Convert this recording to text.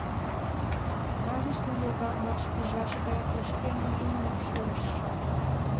Кажныштын логар ваш пижшаш гай кошкен, йӱмӧ шуэш.